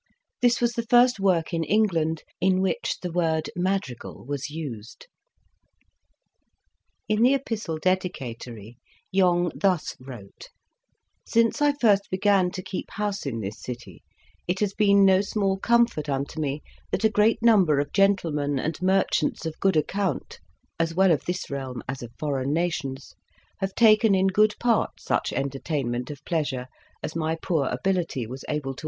" This was the first work in England in which the word "Mad rigal" was used. In the epistle dedicatory Yonge thus wrote: "Since I first began to keep house in this city, it has been no small comfort unto me, that a great number of gentlemen and merchants of good account (as well of this realm as of foreign nations) have taken in good part such entertainment of pleasure as my poor ability was able to * "The English Novel in the time of Shakespeare." 6 Introduction.